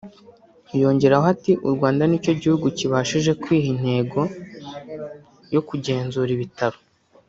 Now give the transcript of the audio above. yongeyeho ati ”U Rwanda nicyo gihugu kibashije kwiha intego yo kugenzura ibitaro”